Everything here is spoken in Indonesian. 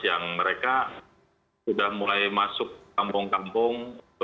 yang mereka sudah mulai masuk kampung kampung